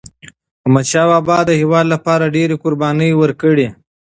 احمدشاه بابا د هیواد لپاره ډيري قربانی ورکړي.